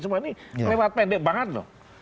semua ini lewat pendek banget loh